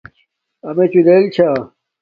امچو لیل چھا